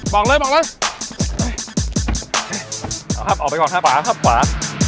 บอกเลยบอกเลยเอาครับออกไปก่อนครับฝาฝาฝา